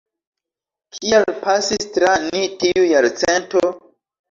Kiel pasis tra ni tiu jarcento?